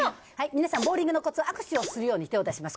皆さん、ボウリングのこつ、握手をするように手を出します。